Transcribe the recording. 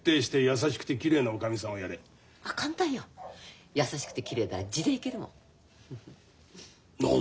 優しくてきれいなら地でいけるもん。